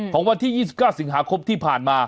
วันที่๒๙สิงหาคมที่ผ่านมา